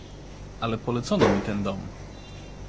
"Ale polecono mi ten dom."